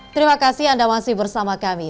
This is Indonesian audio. terima kasih anda masih bersama kami